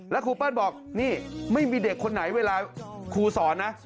แล้วครูเปิ้ลบอกนี่ไม่มีเด็กคนไหนเวลาครูสอนนะ